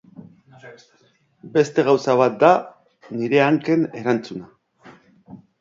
Beste gauza bat da nire hanken erantzuna.